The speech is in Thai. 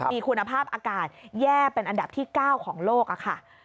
มีคุณภาพอากาศแย่เป็นอันดับที่๙ของโลกค่ะ